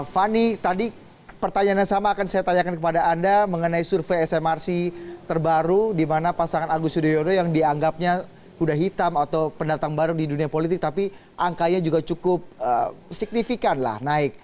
fani tadi pertanyaan yang sama akan saya tanyakan kepada anda mengenai survei smrc terbaru di mana pasangan agus yudhoyono yang dianggapnya kuda hitam atau pendatang baru di dunia politik tapi angkanya juga cukup signifikan lah naik